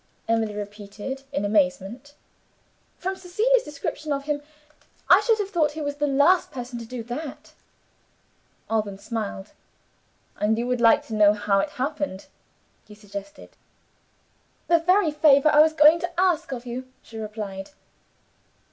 Emily repeated, in amazement. "From Cecilia's description of him, I should have thought he was the last person in the world to do that!" Alban smiled. "And you would like to know how it happened?" he suggested. "The very favor I was going to ask of you," she replied.